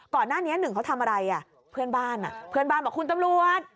หนึ่งเขาทำอะไรอ่ะเพื่อนบ้านอ่ะเพื่อนบ้านบอกคุณตำรวจ